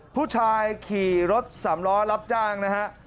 ผู้ชายขี่รถสำล้อรับจ้างนะฮะ